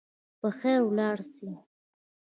په خیر ولاړ سئ.